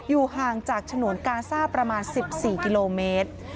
ห่างจากฉนวนกาซ่าประมาณ๑๔กิโลเมตร